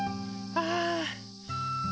ああ！